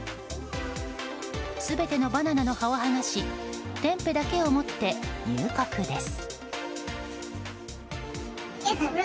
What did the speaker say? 全てのバナナの葉を剥がしテンペだけを持って入国です。